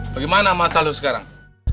bagaimana masalah lo sekarang